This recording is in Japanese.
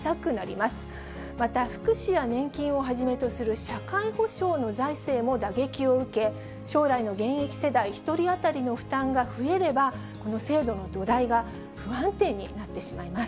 また福祉や年金をはじめとする社会保障の財政も打撃を受け、将来の現役世代１人当たりの負担が増えれば、この制度の土台が不安定になってしまいます。